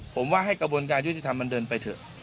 ผมว่าให้กระบวนการยุติธรรมมันเดินไปเถอะ